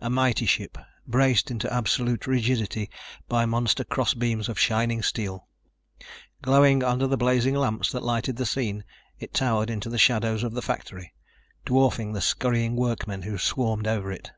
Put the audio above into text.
A mighty ship, braced into absolute rigidity by monster cross beams of shining steel. Glowing under the blazing lamps that lighted the scene, it towered into the shadows of the factory, dwarfing the scurrying workmen who swarmed over it.